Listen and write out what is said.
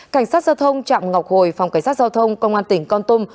cảnh sát giao thông chạm ngọc hồi phòng cảnh sát giao thông công an tỉnh con tum